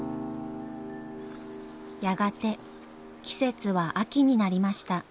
やがて季節は秋になりました。